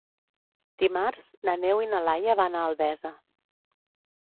Dimarts na Neus i na Laia van a Albesa.